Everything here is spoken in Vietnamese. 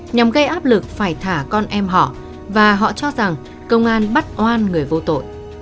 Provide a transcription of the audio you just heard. nhằm gây áp lực phải thả con em họ và họ cho rằng công an bắt oan người vô tội